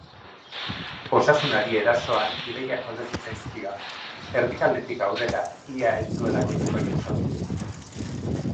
Osasunari erasoan ideak falta zitzaizkion, erdikaldetik aurrera ez ia zuelako jokorik sortu.